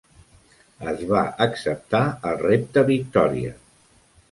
Es va acceptar el repte Victoria.